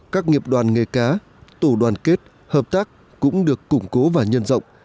các nghiệp đoàn nghề cá tổ đoàn kết hợp tác cũng được củng cố và nhân rộng